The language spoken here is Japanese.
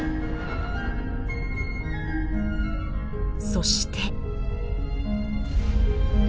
そして。